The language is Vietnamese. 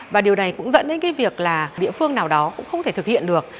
và điều này cũng dẫn đến cái việc là địa phương nào đó cũng không thể thực hiện được